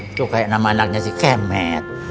itu kayak nama anaknya si kemet